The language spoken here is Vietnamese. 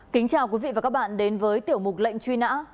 kính chào quý vị và các bạn đến với tiểu mục lệnh truy nã